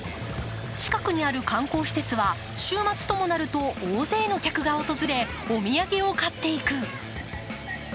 近くにある観光施設は週末ともなると大勢の客が訪れ、お土産を買っていく。